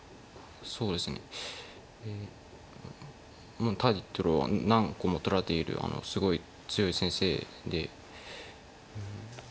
もうタイトルを何個も取られているすごい強い先生で。